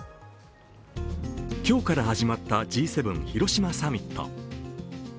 今日から始まったＧ７広島サミット。